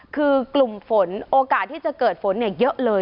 คือกลุ่มฝนโอกาสที่จะเกิดฝนเยอะเลย